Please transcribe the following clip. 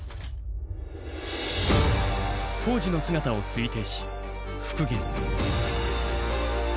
当時の姿を推定し復元。